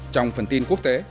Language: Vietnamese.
trong phần tin quốc tế